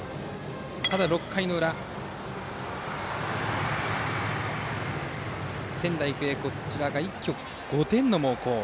６回の裏仙台育英が一挙５点の猛攻。